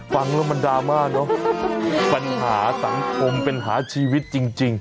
ฟังแล้วมันดราม่าเนอะปัญหาสังคมปัญหาชีวิตจริง